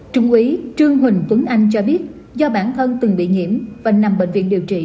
trung úy trương huỳnh tuấn anh cho biết do bản thân từng bị nhiễm và nằm bệnh viện điều trị